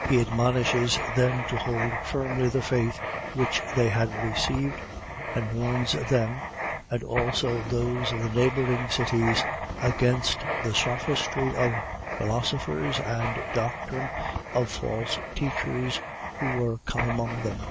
He admonishes them to hold firmly the faith which they had received and warns them, and also those of the neighbouring cities, against the sophistry of philosophers and doctrine of false teachers who were come among them.